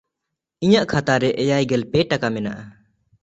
ᱤᱧᱟᱜ ᱠᱷᱟᱛᱟ ᱨᱮ ᱮᱭᱟᱭᱜᱮᱞ ᱯᱮ ᱴᱟᱠᱟ ᱢᱮᱱᱟᱜᱼᱟ᱾